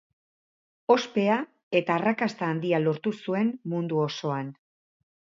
Ospea eta arrakasta handia lortu zuen mundu osoan.